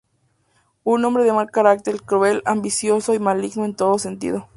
Un hombre de mal carácter, cruel, ambicioso y maligno en todo sentido.